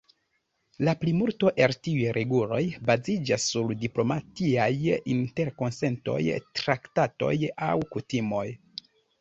La plimulto el tiuj reguloj baziĝas sur diplomatiaj interkonsentoj, traktatoj aŭ kutimoj.